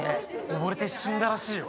溺れて死んだらしいよ。